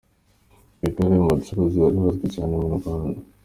Rwigara ari mu bacuruzi bari bazwi cyane mu Rwanda.